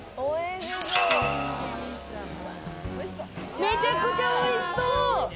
めちゃくちゃおいしそう。